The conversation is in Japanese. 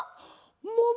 もも！